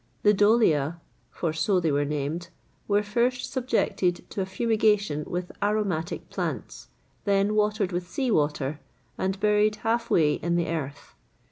[XXVIII 73] The Dolia for so they were named were first subjected to a fumigation with aromatic plants; then watered with sea water, and buried half way in the earth.